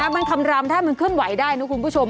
มันคำรำถ้ามันเคลื่อนไหวได้นะคุณผู้ชม